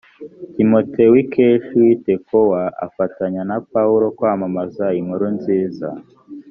timote w’ikeshi w i tekowa afatanya na paulo kwamamaza inkuru nziza